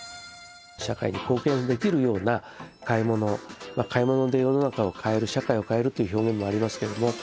社会に貢献できるような買い物買い物で世の中を変える社会を変えるという表現もありますけれども。